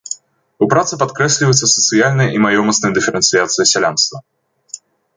У працы падкрэсліваецца сацыяльная і маёмасная дыферэнцыяцыя сялянства.